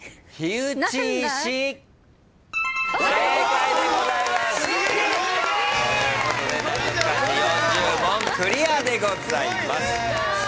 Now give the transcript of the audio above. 正解でございます。ということで難読漢字４０問クリアでございます。